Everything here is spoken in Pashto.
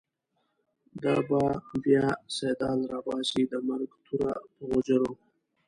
دا به بیا« سیدال» راباسی، د مرگ توره په غوجرو